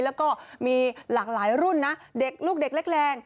แล้วก็มีหลากหลายรุ่นนะเด็กลูกเด็กเล็กแรง